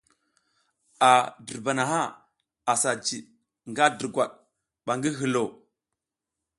A dirba naha asa jid nga durgwad ɓa ngi hilo.